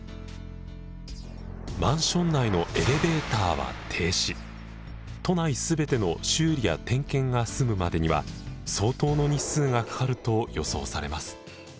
マンション内の都内全ての修理や点検が済むまでには相当の日数がかかると予想されます。